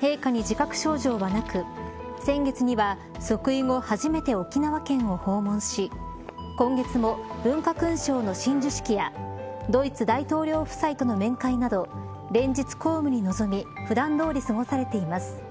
陛下に自覚症状はなく先月には即位後初めて沖縄県を訪問し今月も、文化勲章の親授式やドイツ大統領夫妻との面会など連日、公務に臨み普段どおり過ごされています。